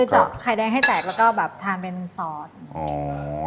เจาะไข่แดงให้แตกแล้วก็แบบทานเป็นซอส